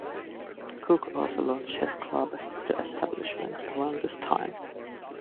Cook also launched his club, The Establishment, around this time.